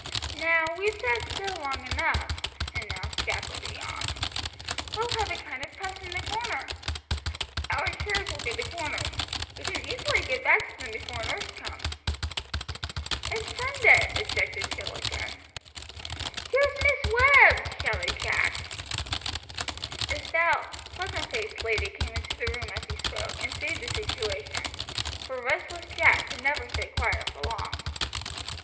"Now we've sat still long enough," announced Jack with a yawn. "We'll have a kind of 'Puss in the Corner.' Our chairs will be the corners. We can easily get back to them before nurse comes." "It's Sunday," objected Jill again. "Here's Miss Webb!" shouted Jack. A stout, pleasant faced lady came into the room as he spoke, and saved the situation, for restless Jack could never stay quiet for long.